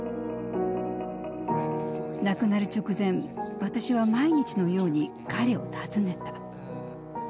亡くなる直前私は毎日のように彼を訪ねた。